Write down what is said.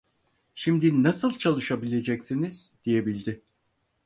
"Şimdi nasıl çalışabileceksiniz?" diyebildi.